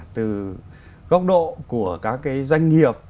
từ góc độ của các cái doanh nghiệp